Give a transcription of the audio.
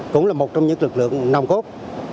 cũng là một trong những lực lượng nằm cốt